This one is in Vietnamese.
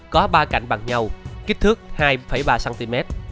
có ba cạnh bằng nhau kích thước hai ba cm